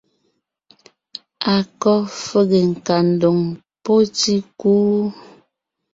A kɔ́ fege nkandoŋ pɔ́ tíkú?